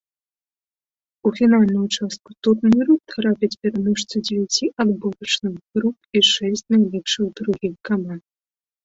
У фінальную частку турніру трапяць пераможцы дзевяці адборачных груп і шэсць найлепшых другіх каманд.